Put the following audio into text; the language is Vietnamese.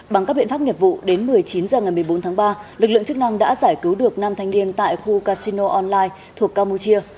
bằng các biện pháp nghiệp vụ đến một mươi chín h ngày một mươi bốn tháng ba lực lượng chức năng đã giải cứu được năm thanh niên tại khu casino online thuộc campuchia